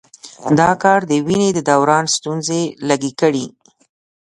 دا کار د وینې د دوران ستونزې لږې کړي.